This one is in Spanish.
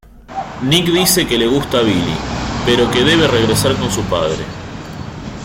Nick dice que le gusta Billy, pero que debe regresar con su padre.